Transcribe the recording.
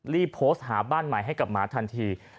รีบโพสต์หาบ้านใหม่ให้กับหมาทันที